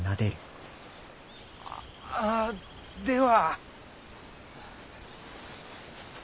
あでは。